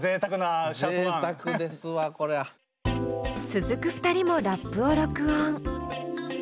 続く２人もラップを録音。